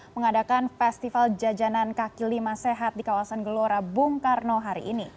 mengadakan festival jajanan kaki lima sehat di kawasan gelora bung karno hari ini